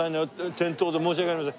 店頭で申し訳ありません。